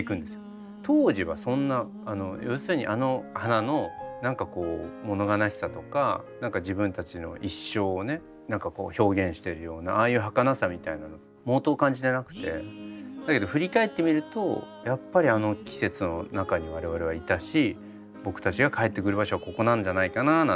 当時はそんな要するにあの花の何かこうもの悲しさとか何か自分たちの一生をね何か表現してるようなああいうはかなさみたいなの毛頭感じてなくてだけど振り返ってみるとやっぱりあの季節の中に我々はいたし僕たちが帰ってくる場所はここなんじゃないかななんていう